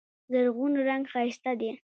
زرغون رنګ ښایسته دی.